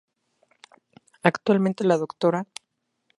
Actualmente la Dra.